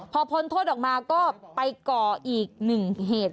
พอพ้นโทษออกมาก็ไปก่ออีกหนึ่งเหตุ